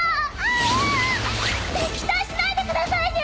期待しないでくださいね！